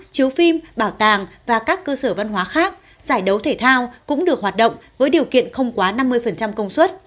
chiếu phim bảo tàng và các cơ sở văn hóa khác giải đấu thể thao cũng được hoạt động với điều kiện không quá năm mươi công suất